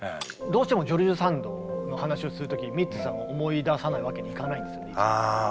どうしてもジョルジュ・サンドの話をする時にミッツさんを思い出さないわけにはいかないんですよね。